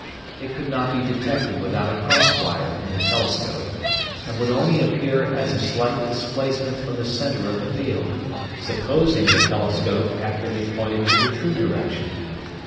It could not be detected without a cross wire in the telescope, and would only appear as a slight displacement from the centre of the field, supposing the telescope accurately pointed to the true direction.